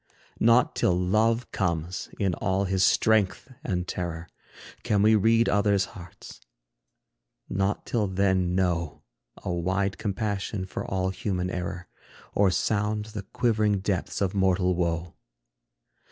Not till Love comes in all his strength and terror, Can we read other's hearts; not till then know A wide compassion for all human error, Or sound the quivering depths of mortal woe.